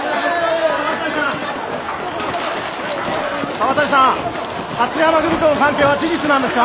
沢渡さん勝山組との関係は事実なんですか？